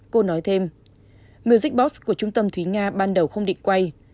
cô nói thêm music box của trung tâm thúy nga ban đầu không định quay